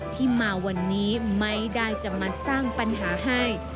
ที่มาวันนี้ไม่ได้จะมาสร้างปัญหาให้